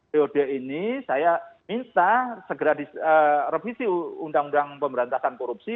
jadi di dpr ini saya minta segera revisi undang undang pemberantasan korupsi